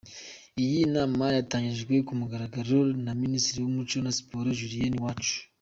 Iyi nama yatangijwe ku mugaragaro na Minisitiri w’umuco na Siporo Julienne Uwacu.